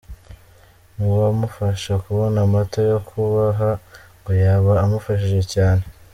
Nuwamufasha kubona amata yo kubaha ngo yaba amufashije cyane.